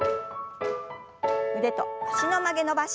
腕と脚の曲げ伸ばし。